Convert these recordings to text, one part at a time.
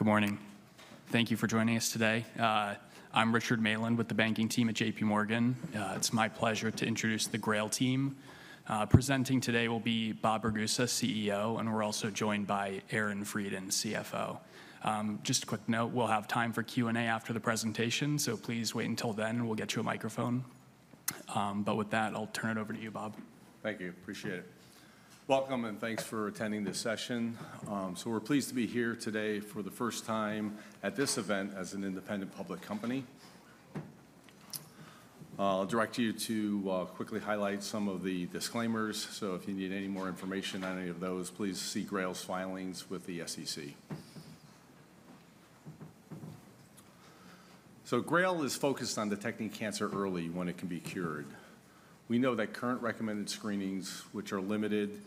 Good morning. Thank you for joining us today. I'm Richard Meland with the banking team at JPMorgan. It's my pleasure to introduce the GRAIL team. Presenting today will be Bob Ragusa, CEO, and we're also joined by Aaron Freidin, CFO. Just a quick note, we'll have time for Q&A after the presentation, so please wait until then, and we'll get you a microphone. But with that, I'll turn it over to you, Bob. Thank you. Appreciate it. Welcome, and thanks for attending this session. So we're pleased to be here today for the first time at this event as an independent public company. I'll direct you to quickly highlight some of the disclaimers. So if you need any more information on any of those, please see GRAIL's filings with the SEC. So GRAIL is focused on detecting cancer early when it can be cured. We know that current recommended screenings, which are limited,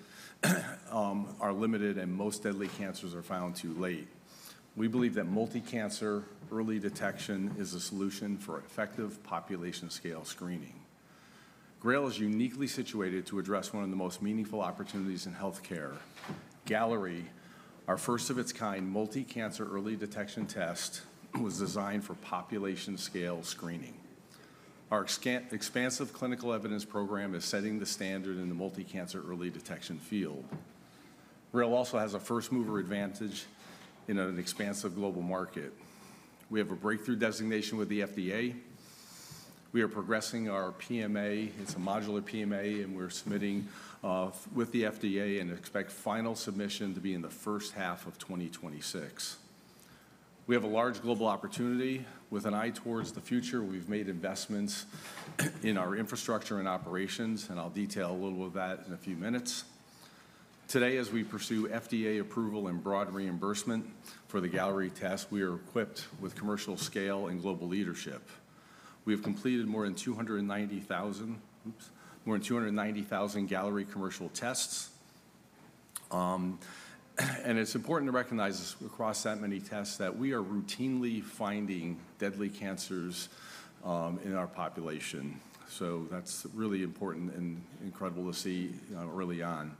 and most deadly cancers are found too late. We believe that multi-cancer early detection is a solution for effective population-scale screening. GRAIL is uniquely situated to address one of the most meaningful opportunities in health care. Galleri, our first of its kind multi-cancer early detection test, was designed for population-scale screening. Our expansive clinical evidence program is setting the standard in the multi-cancer early detection field. GRAIL also has a first-mover advantage in an expansive global market. We have a breakthrough designation with the FDA. We are progressing our PMA. It's a modular PMA, and we're submitting with the FDA and expect final submission to be in the first half of 2026. We have a large global opportunity. With an eye towards the future, we've made investments in our infrastructure and operations, and I'll detail a little of that in a few minutes. Today, as we pursue FDA approval and broad reimbursement for the Galleri test, we are equipped with commercial scale and global leadership. We have completed more than 290,000 Galleri commercial tests. And it's important to recognize across that many tests that we are routinely finding deadly cancers in our population. So that's really important and incredible to see early on.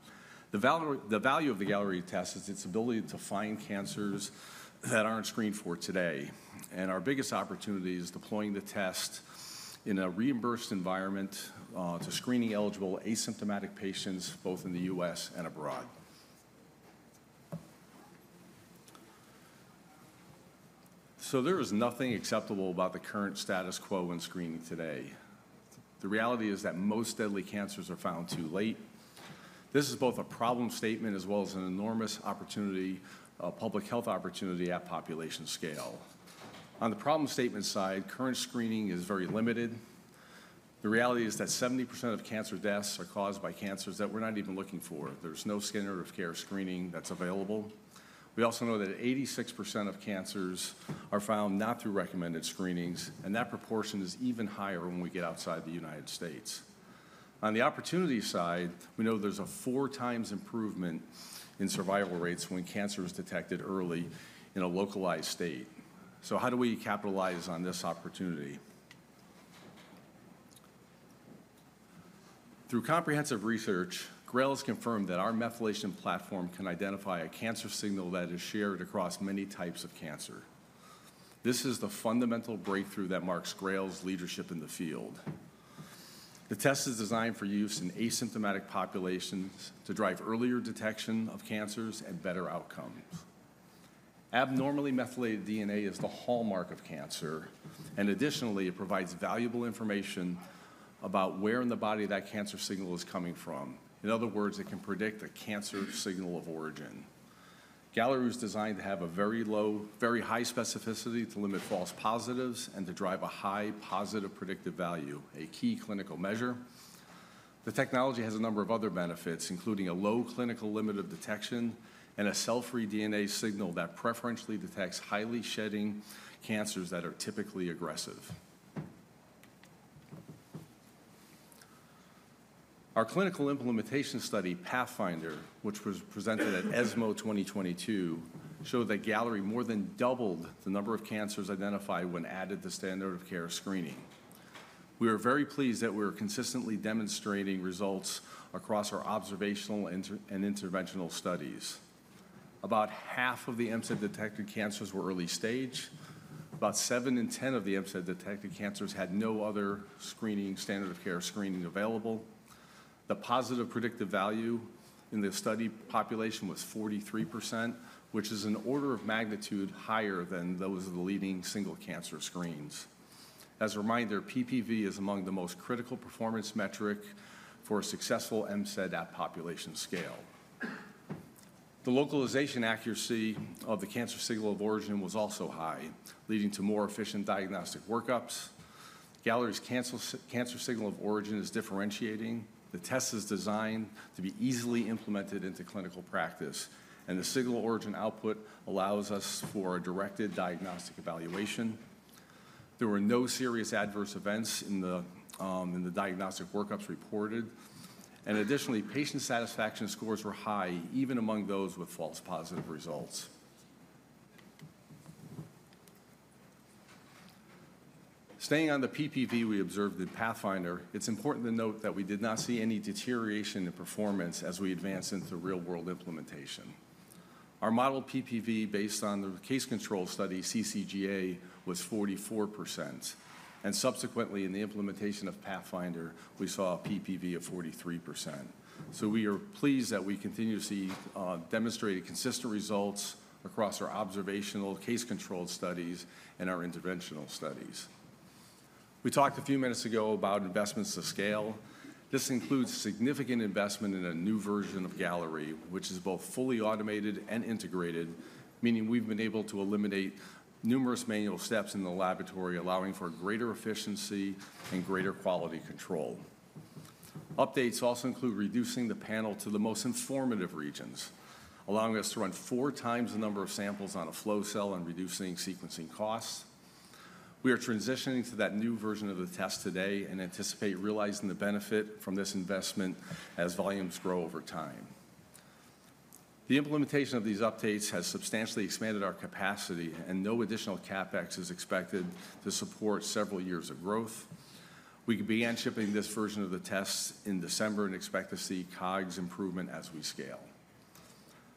The value of the Galleri test is its ability to find cancers that aren't screened for today. And our biggest opportunity is deploying the test in a reimbursed environment to screening eligible asymptomatic patients, both in the U.S. and abroad. So there is nothing acceptable about the current status quo in screening today. The reality is that most deadly cancers are found too late. This is both a problem statement as well as an enormous opportunity, a public health opportunity at population scale. On the problem statement side, current screening is very limited. The reality is that 70% of cancer deaths are caused by cancers that we're not even looking for. There's no standard of care screening that's available. We also know that 86% of cancers are found not through recommended screenings, and that proportion is even higher when we get outside the United States. On the opportunity side, we know there's a 4x improvement in survival rates when cancer is detected early in a localized state. So how do we capitalize on this opportunity? Through comprehensive research, GRAIL has confirmed that our Methylation Platform can identify a cancer signal that is shared across many types of cancer. This is the fundamental breakthrough that marks GRAIL's leadership in the field. The test is designed for use in asymptomatic populations to drive earlier detection of cancers and better outcomes. Abnormally methylated DNA is the hallmark of cancer, and additionally, it provides valuable information about where in the body that cancer signal is coming from. In other words, it can predict a cancer signal of origin. Galleri was designed to have a very low, very high specificity to limit false positives and to drive a high positive predictive value, a key clinical measure. The technology has a number of other benefits, including a low clinical limit of detection and a cell-free DNA signal that preferentially detects highly shedding cancers that are typically aggressive. Our clinical implementation study, PATHFINDER, which was presented at ESMO 2022, showed that Galleri more than doubled the number of cancers identified when added to standard of care screening. We are very pleased that we are consistently demonstrating results across our observational and interventional studies. About half of the MCED detected cancers were early stage. About 7 in 10 of the MCED detected cancers had no other screening, standard of care screening available. The positive predictive value in the study population was 43%, which is an order of magnitude higher than those of the leading single cancer screens. As a reminder, PPV is among the most critical performance metrics for a successful MCED at population scale. The localization accuracy of the cancer signal of origin was also high, leading to more efficient diagnostic workups. Galleri's cancer signal of origin is differentiating. The test is designed to be easily implemented into clinical practice, and the signal origin output allows us for a directed diagnostic evaluation. There were no serious adverse events in the diagnostic workups reported. And additionally, patient satisfaction scores were high, even among those with false positive results. Staying on the PPV we observed in PATHFINDER, it's important to note that we did not see any deterioration in performance as we advanced into real-world implementation. Our model PPV based on the case control study, CCGA, was 44%. And subsequently, in the implementation of PATHFINDER, we saw a PPV of 43%. So we are pleased that we continue to see demonstrated consistent results across our observational case control studies and our interventional studies. We talked a few minutes ago about investments to scale. This includes significant investment in a new version of Galleri, which is both fully automated and integrated, meaning we've been able to eliminate numerous manual steps in the laboratory, allowing for greater efficiency and greater quality control. Updates also include reducing the panel to the most informative regions, allowing us to run four times the number of samples on a flow cell and reducing sequencing costs. We are transitioning to that new version of the test today and anticipate realizing the benefit from this investment as volumes grow over time. The implementation of these updates has substantially expanded our capacity, and no additional CapEx is expected to support several years of growth. We could begin shipping this version of the tests in December and expect to see COGS improvement as we scale.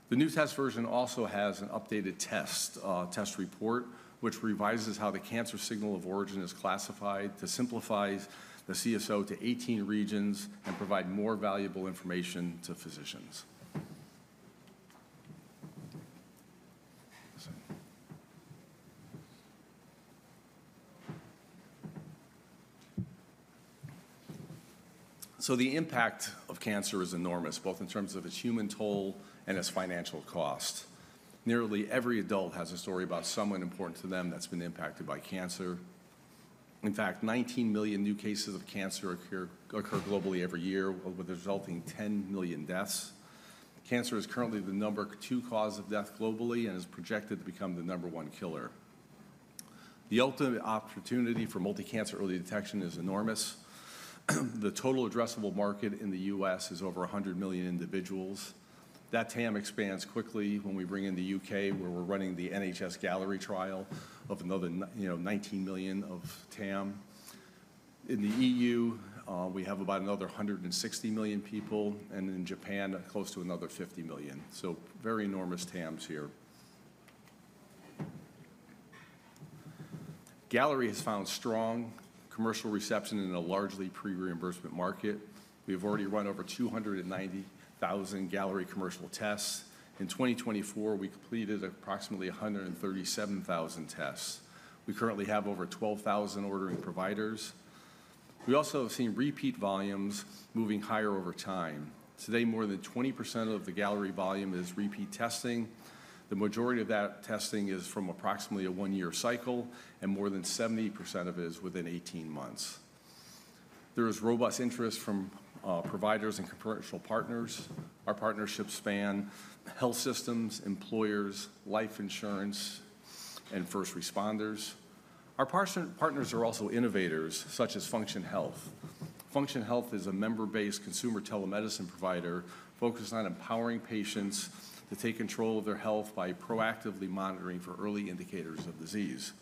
The new test version also has an updated test report, which revises how the cancer signal of origin is classified to simplify the CSO to 18 regions and provide more valuable information to physicians. So the impact of cancer is enormous, both in terms of its human toll and its financial cost. Nearly every adult has a story about someone important to them that's been impacted by cancer. In fact, 19 million new cases of cancer occur globally every year, with resulting 10 million deaths. Cancer is currently the number two cause of death globally and is projected to become the number one killer. The ultimate opportunity for multi-cancer early detection is enormous. The total addressable market in the U.S. is over 100 million individuals. That TAM expands quickly when we bring in the U.K., where we're running the NHS Galleri trial of another 19 million of TAM. In the E.U., we have about another 160 million people, and in Japan, close to another 50 million. So very enormous TAMs here. Galleri has found strong commercial reception in a largely pre-reimbursement market. We have already run over 290,000 Galleri commercial tests. In 2024, we completed approximately 137,000 tests. We currently have over 12,000 ordering providers. We also have seen repeat volumes moving higher over time. Today, more than 20% of the Galleri volume is repeat testing. The majority of that testing is from approximately a one-year cycle, and more than 70% of it is within 18 months. There is robust interest from providers and commercial partners. Our partnerships span health systems, employers, life insurance, and first responders. Our partners are also innovators, such as Function Health. Function Health is a member-based consumer telemedicine provider focused on empowering patients to take control of their health by proactively monitoring for early indicators of disease.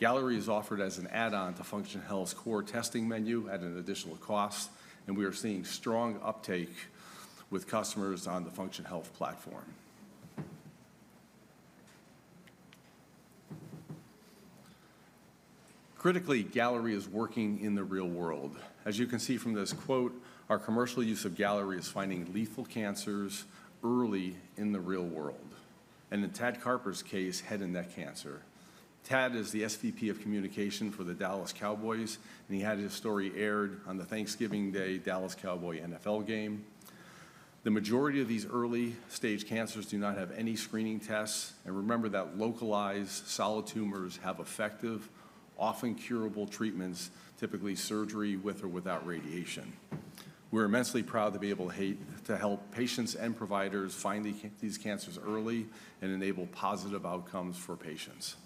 Galleri is offered as an add-on to Function Health's core testing menu at an additional cost, and we are seeing strong uptake with customers on the Function Health platform. Critically, Galleri is working in the real world. As you can see from this quote, our commercial use of Galleri is finding lethal cancers early in the real world, and in Tad Carper's case, head and neck cancer. Tad is the SVP of Communications for the Dallas Cowboys, and he had his story aired on the Thanksgiving Day Dallas Cowboys NFL game. The majority of these early-stage cancers do not have any screening tests, and remember that localized solid tumors have effective, often curable treatments, typically surgery with or without radiation. We're immensely proud to be able to help patients and providers find these cancers early and enable positive outcomes for patients.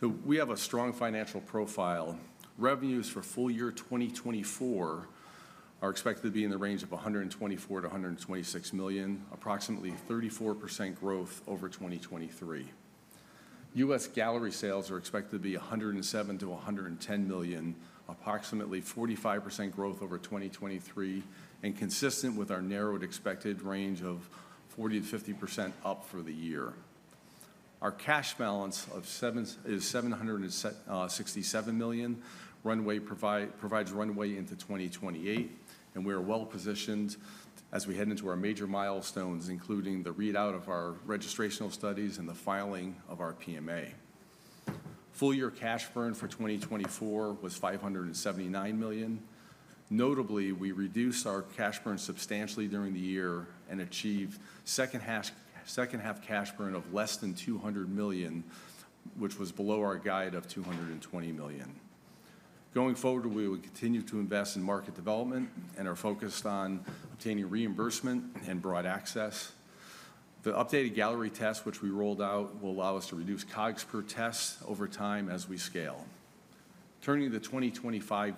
So we have a strong financial profile. Revenues for full year 2024 are expected to be in the range of $124 million-$126 million, approximately 34% growth over 2023. U.S. Galleri sales are expected to be $107 million-$110 million, approximately 45% growth over 2023, and consistent with our narrowed expected range of 40%-50% up for the year. Our cash balance is $767 million. Runway provides runway into 2028, and we are well positioned as we head into our major milestones, including the readout of our registrational studies and the filing of our PMA. Full year cash burn for 2024 was $579 million. Notably, we reduced our cash burn substantially during the year and achieved second-half cash burn of less than $200 million, which was below our guide of $220 million. Going forward, we will continue to invest in market development and are focused on obtaining reimbursement and broad access. The updated Galleri test, which we rolled out, will allow us to reduce COGS per test over time as we scale. Turning to the 2025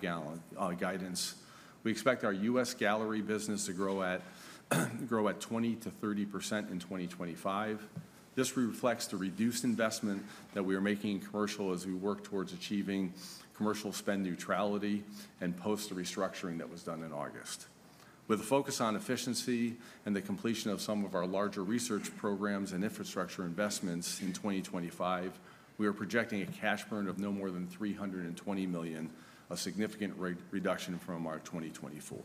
guidance, we expect our U.S. Galleri business to grow at 20%-30% in 2025. This reflects the reduced investment that we are making in commercial as we work towards achieving commercial spend neutrality and post restructuring that was done in August. With a focus on efficiency and the completion of some of our larger research programs and infrastructure investments in 2025, we are projecting a cash burn of no more than $320 million, a significant reduction from our 2024.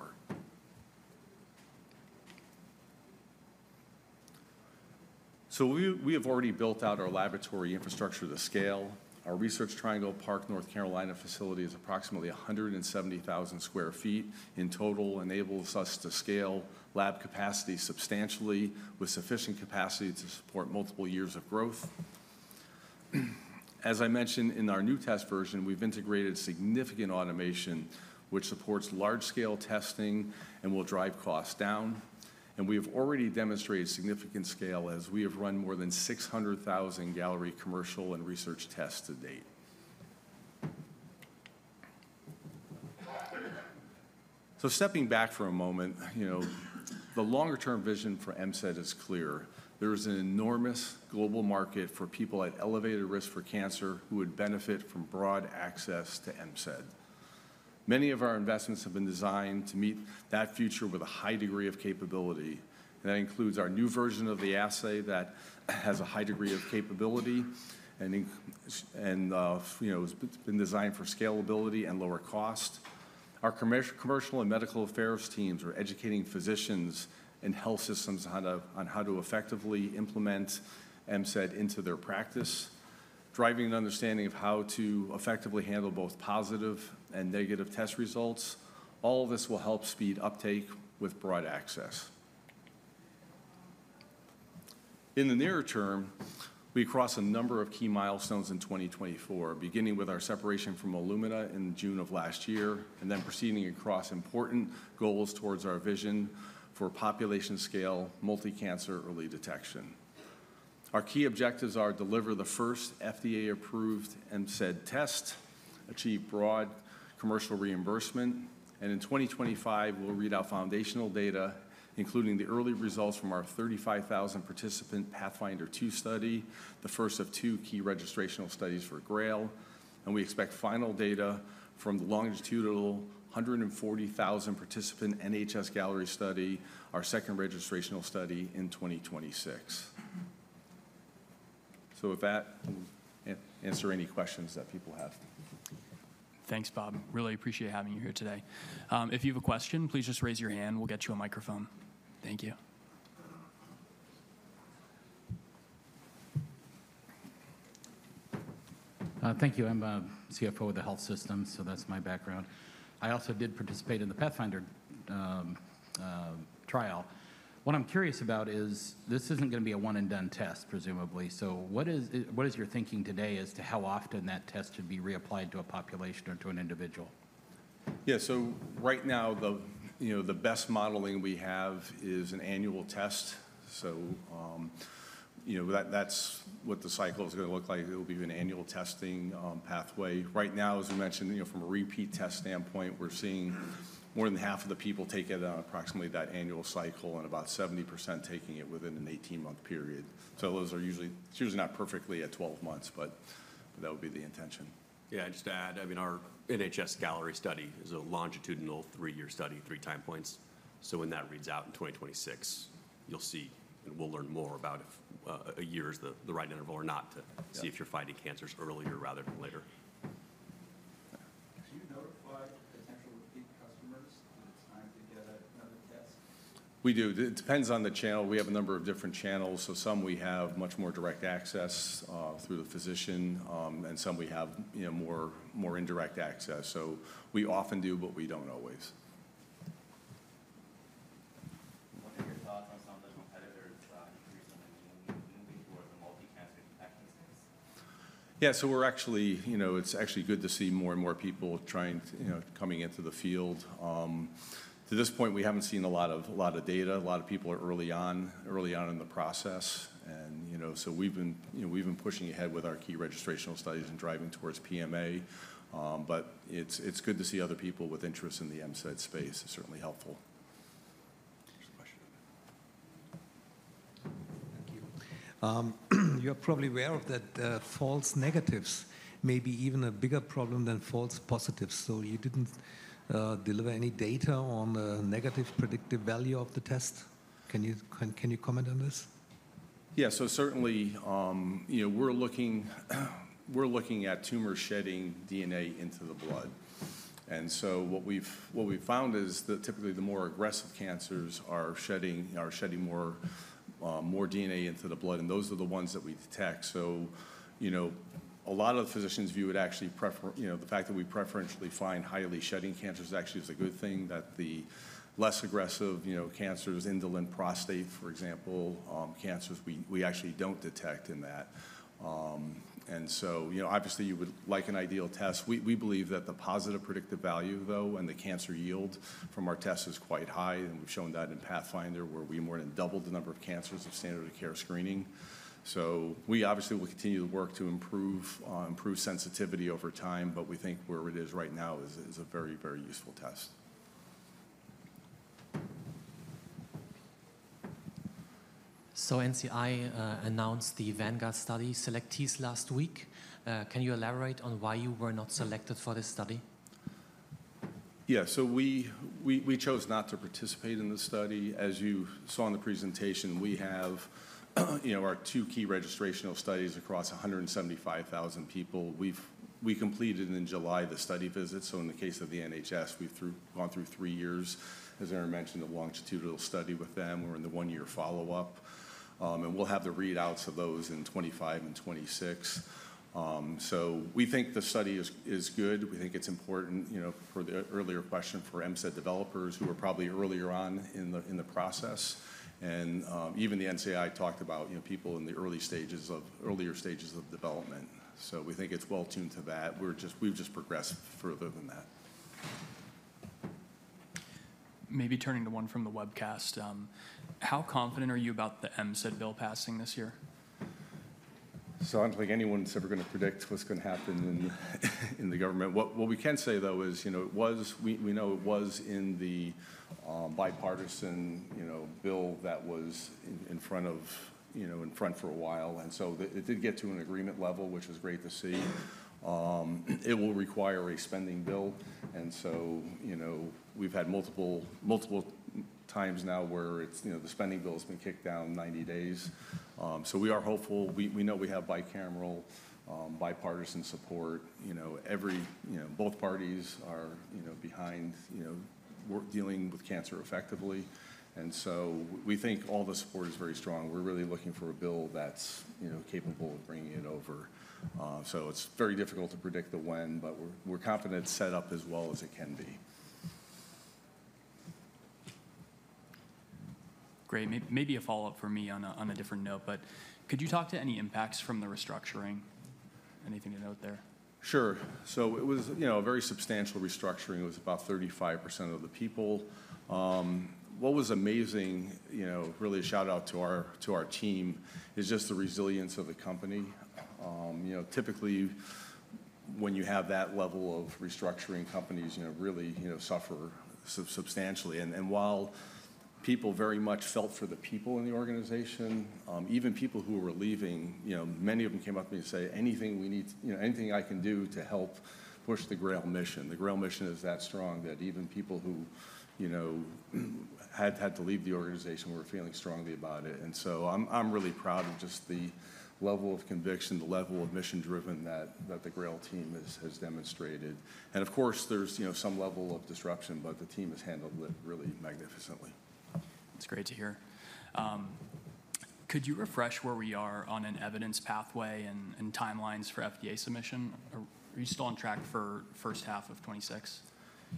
So we have already built out our laboratory infrastructure to scale. Our Research Triangle Park, North Carolina facility is approximately 170,000 sq ft in total, enables us to scale lab capacity substantially with sufficient capacity to support multiple years of growth. As I mentioned, in our new test version, we've integrated significant automation, which supports large-scale testing and will drive costs down, and we have already demonstrated significant scale as we have run more than 600,000 Galleri commercial and research tests to date. So, stepping back for a moment, the longer-term vision for MCED is clear. There is an enormous global market for people at elevated risk for cancer who would benefit from broad access to MCED. Many of our investments have been designed to meet that future with a high degree of capability, and that includes our new version of the assay that has a high degree of capability and has been designed for scalability and lower cost. Our commercial and medical affairs teams are educating physicians and health systems on how to effectively implement MCED into their practice, driving an understanding of how to effectively handle both positive and negative test results. All of this will help speed uptake with broad access. In the near term, we cross a number of key milestones in 2024, beginning with our separation from Illumina in June of last year and then proceeding across important goals towards our vision for population scale multi-cancer early detection. Our key objectives are to deliver the first FDA-approved MCED test, achieve broad commercial reimbursement, and in 2025, we'll read out foundational data, including the early results from our 35,000 participant PATHFINDER 2 study, the first of two key registrational studies for GRAIL. We expect final data from the longitudinal 140,000 participant NHS-Galleri study, our second registrational study in 2026. With that, I'll answer any questions that people have. Thanks, Bob. Really appreciate having you here today. If you have a question, please just raise your hand. We'll get you a microphone. Thank you. Thank you. I'm a CFO of the health system, so that's my background. I also did participate in the Pathfinder trial. What I'm curious about is this isn't going to be a one-and-done test, presumably. So what is your thinking today as to how often that test should be reapplied to a population or to an individual? Yeah, so right now, the best modeling we have is an annual test. So that's what the cycle is going to look like. It will be an annual testing pathway. Right now, as we mentioned, from a repeat test standpoint, we're seeing more than half of the people take it on approximately that annual cycle and about 70% taking it within an 18-month period. So those are usually not perfectly at 12 months, but that would be the intention. Yeah, I'd just add, I mean, our NHS-Galleri study is a longitudinal three-year study, three time points. So when that reads out in 2026, you'll see, and we'll learn more about if a year is the right interval or not to see if you're finding cancers earlier rather than later. Do you notify potential repeat customers that it's time to get another test? We do. It depends on the channel. We have a number of different channels. So some we have much more direct access through the physician, and some we have more indirect access. So we often do, but we don't always. What are your thoughts on some of the competitors increasingly moving towards the multi-cancer detection space? Yeah, so it's actually good to see more and more people coming into the field. To this point, we haven't seen a lot of data. A lot of people are early on in the process. So we've been pushing ahead with our key registrational studies and driving towards PMA. But it's good to see other people with interest in the MCED space. It's certainly helpful. Here's a question. Thank you. You are probably aware of that false negatives may be even a bigger problem than false positives. So you didn't deliver any data on the negative predictive value of the test. Can you comment on this? Yeah, so certainly we're looking at tumor shedding DNA into the blood. And so what we've found is that typically the more aggressive cancers are shedding more DNA into the blood, and those are the ones that we detect. So a lot of physicians view it actually the fact that we preferentially find highly shedding cancers actually is a good thing, that the less aggressive cancers, indolent prostate, for example, cancers, we actually don't detect in that. And so obviously you would like an ideal test. We believe that the positive predictive value, though, and the cancer yield from our test is quite high. And we've shown that in PATHFINDER, where we more than doubled the number of cancers of standard of care screening. So we obviously will continue to work to improve sensitivity over time, but we think where it is right now is a very, very useful test. So NCI announced the Vanguard study selectees last week. Can you elaborate on why you were not selected for this study? Yeah, so we chose not to participate in this study. As you saw in the presentation, we have our two key registrational studies across 175,000 people. We completed in July the study visit. So in the case of the NHS, we've gone through three years. As Aaron mentioned, the longitudinal study with them. We're in the one-year follow-up, and we'll have the readouts of those in 2025 and 2026. We think the study is good. We think it's important for the earlier question for MCED developers who are probably earlier on in the process, and even the NCI talked about people in the earlier stages of development. We think it's well tuned to that. We've just progressed further than that. Maybe turning to one from the webcast. How confident are you about the MCED bill passing this year? I don't think anyone's ever going to predict what's going to happen in the government. What we can say, though, is we know it was in the bipartisan bill that was in front for a while, and so it did get to an agreement level, which is great to see. It will require a spending bill. We've had multiple times now where the spending bill has been kicked down 90 days. So we are hopeful. We know we have bicameral bipartisan support. Both parties are behind dealing with cancer effectively. We think all the support is very strong. We're really looking for a bill that's capable of bringing it over. It's very difficult to predict the when, but we're confident it's set up as well as it can be. Great. Maybe a follow-up for me on a different note, but could you talk to any impacts from the restructuring? Anything to note there? Sure. It was a very substantial restructuring. It was about 35% of the people. What was amazing, really a shout-out to our team, is just the resilience of the company. Typically, when you have that level of restructuring, companies really suffer substantially. And while people very much felt for the people in the organization, even people who were leaving, many of them came up to me and said, anything I can do to help push the GRAIL mission? The GRAIL mission is that strong that even people who had had to leave the organization were feeling strongly about it. And so I'm really proud of just the level of conviction, the level of mission-driven that the GRAIL team has demonstrated. And of course, there's some level of disruption, but the team has handled it really magnificently. That's great to hear. Could you refresh where we are on an evidence pathway and timelines for FDA submission? Are you still on track for first half of 2026?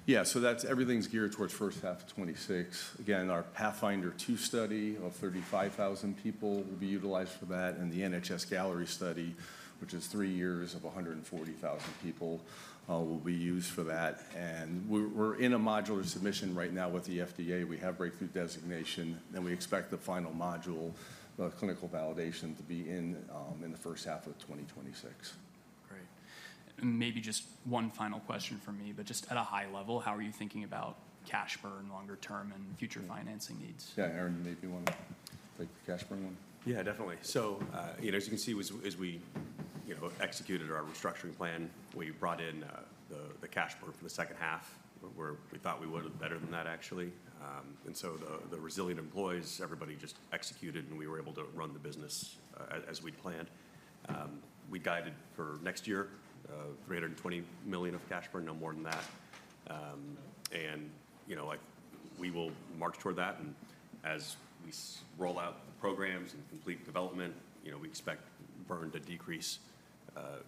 Yeah, so everything's geared towards first half of 2026. Again, our PATHFINDER 2 study of 35,000 people will be utilized for that. And the NHS-Galleri study, which is three years of 140,000 people, will be used for that. And we're in a modular submission right now with the FDA. We have breakthrough designation, and we expect the final module, the clinical validation, to be in the first half of 2026. Great. Maybe just one final question from me, but just at a high level, how are you thinking about cash burn longer term and future financing needs? Yeah, Aaron, maybe you want to take the cash burn one? Yeah, definitely. So as you can see, as we executed our restructuring plan, we brought in the cash burn for the second half, where we thought we would have better than that, actually. And so the resilient employees, everybody just executed, and we were able to run the business as we'd planned. We guided for next year, $320 million of cash burn, no more than that. And we will march toward that. And as we roll out the programs and complete development, we expect burn to decrease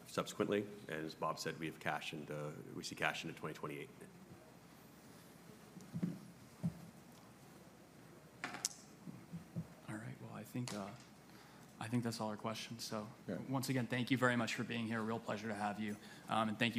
subsequently. And as Bob said, we see cash into 2028. All right. Well, I think that's all our questions. So once again, thank you very much for being here. Real pleasure to have you. And thank you.